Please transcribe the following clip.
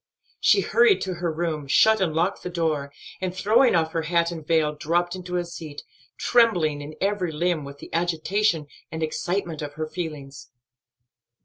She hurried to her room, shut and locked the door, and, throwing off her hat and veil, dropped into a seat, trembling in every limb with the agitation and excitement of her feelings.